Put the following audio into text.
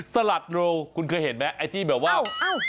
สลัดรูคุณเคยเห็นไหมไอ้ที่แบบว่า